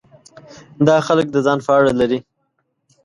دغه خلک د ځان په اړه لري.